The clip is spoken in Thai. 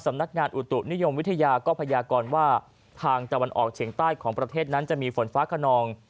สำนักงานอุตุนิยมวิทยาก็พยากรว่าทางตะวันออกเฉียงใต้ของประเทศนั้นจะมีฝนฟ้าขนอง